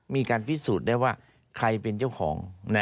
มีการพิสูจน์ได้ว่าใครเป็นเจ้าของ